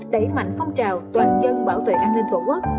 để mạnh phong trào toàn dân bảo tệ an ninh tổ quốc